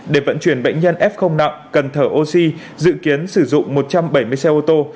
để vận chuyển bệnh nhân f nặng cần thở oxy dự kiến sử dụng một trăm bảy mươi xe ô tô